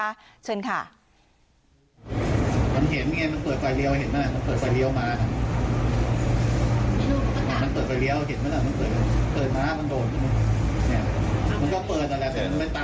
มันเห็นไงมันเปิดฝ่ายเรียวเห็นไหมมันเปิดฝ่ายเรียวมา